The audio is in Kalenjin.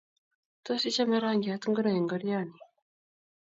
Tos, ichame rangyat ngiro eng ngorioni?